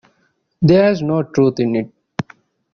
There is no truth in it.